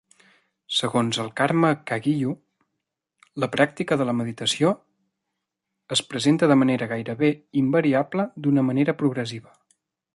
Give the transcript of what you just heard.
Segons el Karma Kagyu, la pràctica de la meditació es presenta de manera gairebé invariable d'una manera progressiva.